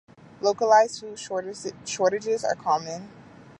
Localised food shortages are common.